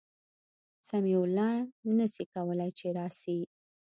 سمیع الله نسي کولای چي راسي